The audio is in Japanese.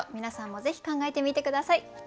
皆さんもぜひ考えてみて下さい。